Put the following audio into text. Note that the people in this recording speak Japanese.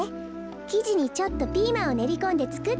きじにちょっとピーマンをねりこんでつくってみたの。